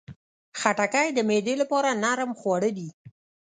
خټکی د معدې لپاره نرم خواړه دي.